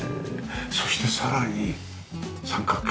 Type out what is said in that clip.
そしてさらに三角形。